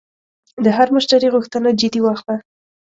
د هر مشتری غوښتنه جدي واخله.